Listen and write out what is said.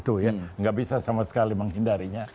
tidak bisa sama sekali menghindarinya